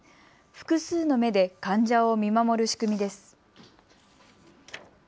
複数の目で患者を見守る仕組みです。